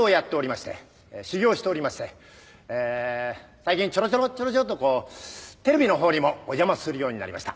最近ちょろちょろちょろちょろとこうテレビの方にもお邪魔するようになりました。